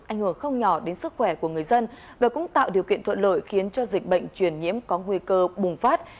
ảnh hưởng không nhỏ đến sức khỏe của người dân và cũng tạo điều kiện thuận lợi khiến cho dịch bệnh truyền nhiễm có nguy cơ bùng phát